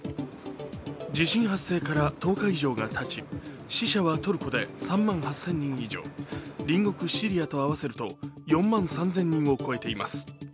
地震発生から１０日以上がたち、死者はトルコで３万８０００人以上、隣国シリアと合わせると４万３０００人を超えています。